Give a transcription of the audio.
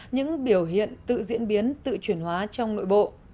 những biểu hiện tự diễn biến tự chuyển hóa trong nội bộ